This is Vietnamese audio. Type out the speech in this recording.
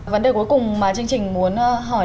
vấn đề cuối cùng mà chương trình muốn hỏi